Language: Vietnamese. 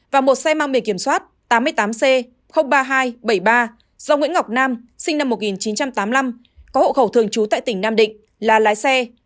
và một xe mang bì kiểm soát tám mươi tám c ba nghìn hai trăm bảy mươi ba do nguyễn ngọc nam sinh năm một nghìn chín trăm tám mươi năm có hộ khẩu thường trú tại tỉnh nam định là lái xe